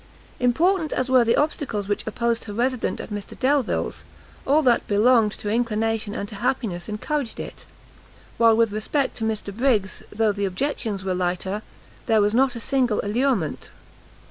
Important as were the obstacles which opposed her residence at Mr Delvile's, all that belonged to inclination and to happiness encouraged it; while with respect to Mr Briggs, though the objections were lighter, there was not a single allurement.